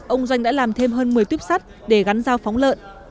ông doanh đã làm thêm hơn một mươi tuyếp sắt để gắn dao phóng lợn